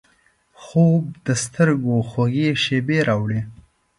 خوب د سترګو خوږې شیبې راوړي